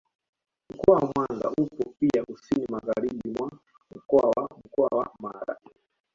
Mkoa wa Mwanza upo pia kusini magharibi mwa mkoa wa Mkoa wa Mara